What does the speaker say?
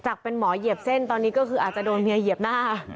เป็นหมอเหยียบเส้นตอนนี้ก็คืออาจจะโดนเมียเหยียบหน้า